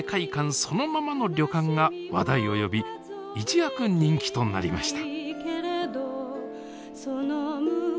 そのままの旅館が話題を呼び一躍人気となりました